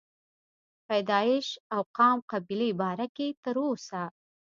پيدائش او قام قبيلې باره کښې تر اوسه